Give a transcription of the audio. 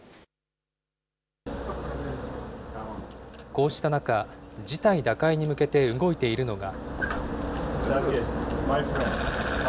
こうした中、事態打開に向けて動いているのが。